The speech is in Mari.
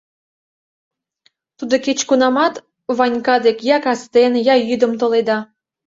Тудо кеч-кунамат Ванька дек я кастен, я йӱдым толеда.